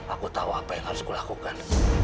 aku tahu apa yang harus kulakukan